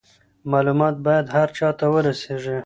معلومات باید هر چا ته ورسیږي.